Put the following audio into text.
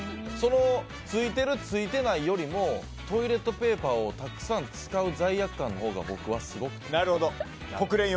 ついてる、ついてないよりもトイレットペーパーをたくさん使う罪悪感のほうが僕はすごく嫌だ。